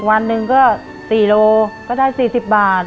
วันหนึ่งก็๔โลก็ได้๔๐บาท